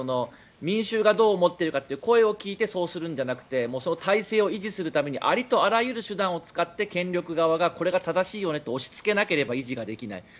民衆がどう思っているかというその声を聞いてそうするんじゃなくて体制を維持するためにありとあらゆる手段を使って権力側がこれが正しいよねって押しつけなければ維持ができない。